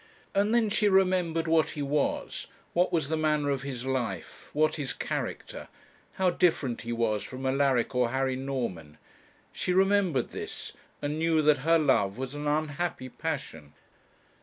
And then she remembered what he was, what was the manner of his life, what his character; how different he was from Alaric or Harry Norman; she remembered this, and knew that her love was an unhappy passion.